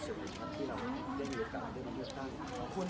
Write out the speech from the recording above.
สวัสดีทุกคน